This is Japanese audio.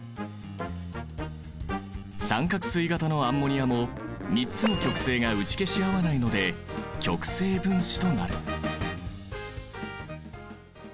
三角錐形のアンモニアも３つの極性が打ち消し合わないので極性分子となる。